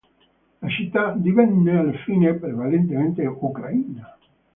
La città divenne alla fine prevalentemente ucraina.